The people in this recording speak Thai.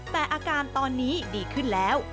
แต่อาการตอนนี้ดีขึ้นแล้ว